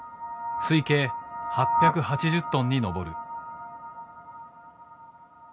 推計８８０トンに上る。